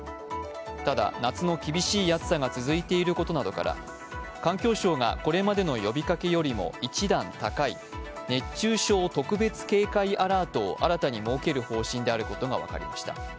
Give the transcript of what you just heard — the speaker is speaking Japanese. ただ、夏の厳しい暑さが続いていることなどから環境省がこれまでの呼びかけよりも１段高い熱中症特別警戒アラートを新たに設ける方針であることが分かりました。